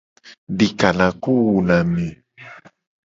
Dikanaku wuna ame.